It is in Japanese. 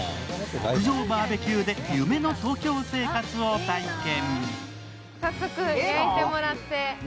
屋上バーベキューで夢の東京生活を体験。